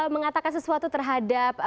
mengatakan sesuatu terhadap